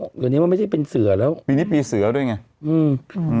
เดี๋ยวนี้มันไม่ได้เป็นเสือแล้วปีนี้ปีเสือด้วยไงอืม